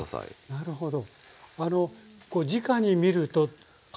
なるほど。